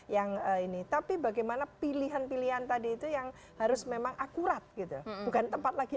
yang ini tapi bagaimana pilihan pilihan tadi itu yang harus memang akurat gitu bukan tempat lagi